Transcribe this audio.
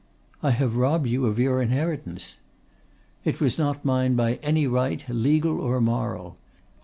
'I have robbed you of your inheritance.' 'It was not mine by any right, legal or moral.